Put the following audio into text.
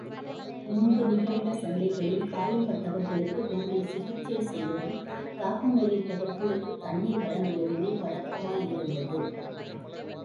முன்பு நிகழ்ந்த சண்டைகளில் காயம் பட்டவர்களுக்குப் பெண்கள் சிகிச்சை செய்வதும், தாகம் மேலிட்டவர்களுக்குத் தண்ணீர் வழங்குவதுமே வழக்கமாயிருந்தது.